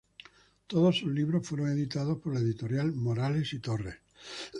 Todos sus libros fueron editados por la editorial Morales i Torres.